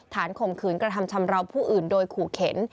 ข่มขืนกระทำชำราวผู้อื่นโดยขู่เข็น